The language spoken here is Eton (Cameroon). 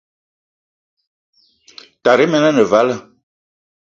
Tara men ane vala.